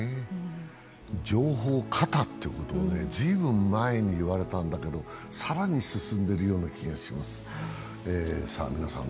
情報過多ってことが随分前に言われたんだけど更に進んでるような気がします。